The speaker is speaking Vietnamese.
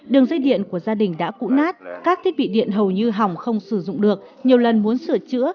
đường dây điện của gia đình đã cũ nát các thiết bị điện hầu như hỏng không sử dụng được nhiều lần muốn sửa chữa